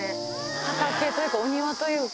畑というかお庭というか。